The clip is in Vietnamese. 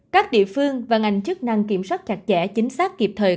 các địa phương và ngành chức năng kiểm soát chặt chẽ chính xác kịp thời